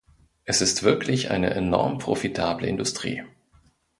Es ist wirklich eine enorm profitable Industrie.